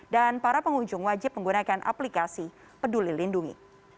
para pengunjung wajib menggunakan aplikasi peduli lindungi